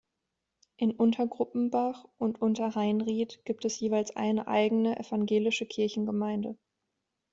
In Untergruppenbach und Unterheinriet gibt es jeweils eine eigene evangelische Kirchengemeinde.